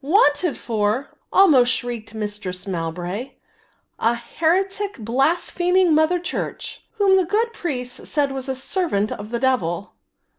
"Wanted for?" almost shrieked Mistress Mowbray, "a heretic blaspheming Mother Church, whom the good priest said was a servant of the devil."